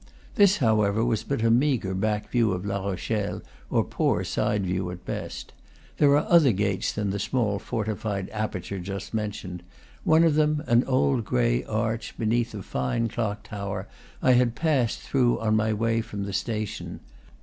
This, however, was but a meagre back view of La Rochelle, or poor side view at best. There are other gates than the small fortified aperture just mentioned; one of them, an old gray arch beneath a fine clock tower, I had passed through on my way from the station.